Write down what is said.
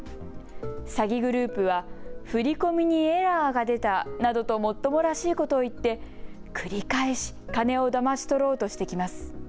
詐欺グループは振り込みにエラーが出たなどともっともらしいことを言って繰り返し金をだまし取ろうとしてきます。